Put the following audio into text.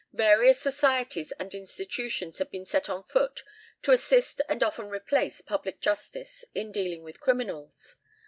Various societies and institutions had been set on foot to assist and often replace public justice in dealing with criminals.